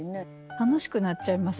楽しくなっちゃいますね